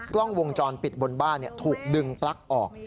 กล้องวงจรปิดบนบ้านถูกดึงปลั๊กออก